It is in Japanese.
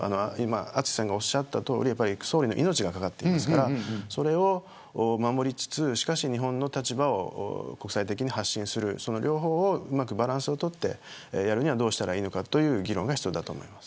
淳さんがおっしゃったとおり総理の命が懸かっていますからそれを守りつつ、しかし日本の立場を国際的に発信するその両方のバランスをうまく取ってやるにはどうしたらいいかという議論が必要だと思います。